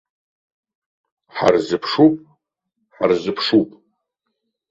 Ҳарзыԥшуп, ҳарзыԥшуп.